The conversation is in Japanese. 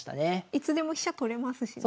いつでも飛車取れますしね。